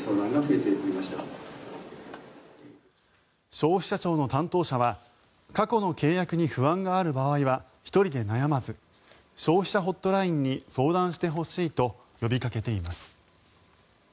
消費者庁の担当者は過去の契約に不安がある場合は１人で悩まず消費者ホットラインに相談してほしいと呼びかけています。